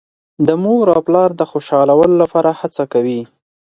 د مور او پلار د خوشحالولو لپاره هڅه کوي.